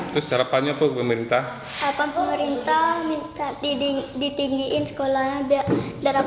di rumah terendam juga atau enggak